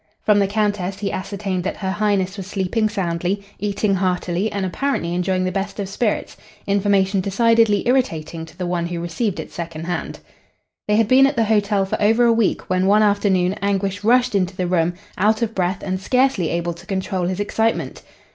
From the Countess he ascertained that Her Highness was sleeping soundly, eating heartily and apparently enjoying the best of spirits information decidedly irritating to the one who received it second hand. They had been at the hotel for over a week when one afternoon Anguish rushed into the room, out of breath and scarcely able to control his excitement.